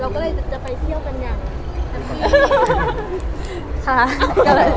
เราก็เลยจะไปเที่ยวกันอย่างนี้